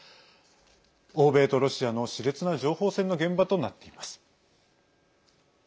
欧米とロシアのしれつな情報戦の現場となっています。